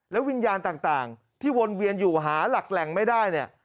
วิญญาณต่างที่วนเวียนอยู่หาหลักแหล่งไม่ได้เนี่ย